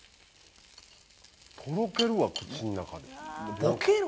とろけるわ口の中で。